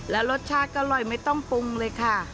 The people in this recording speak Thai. แล้วรสชาติก็อร่อยไม่ต้องปรุงเลยค่ะ